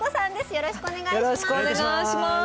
よろしくお願いします